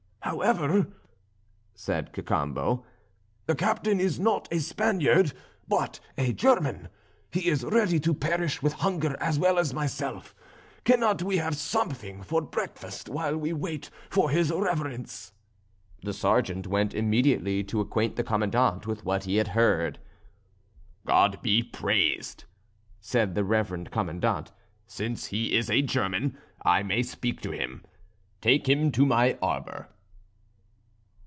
"However," said Cacambo, "the captain is not a Spaniard, but a German, he is ready to perish with hunger as well as myself; cannot we have something for breakfast, while we wait for his reverence?" The sergeant went immediately to acquaint the Commandant with what he had heard. "God be praised!" said the reverend Commandant, "since he is a German, I may speak to him; take him to my arbour."